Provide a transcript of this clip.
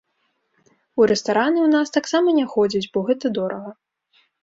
У рэстараны ў нас таксама не ходзяць, бо гэта дорага.